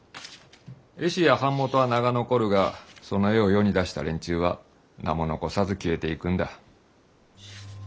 絵師や版元は名が残るがその絵を世に出した連中は名も残さず消えていくんだ。